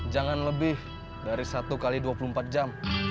jangan lebih dari satu x dua puluh empat jam